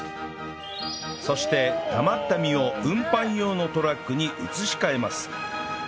そしてたまった実を運搬用のトラックに移し替えます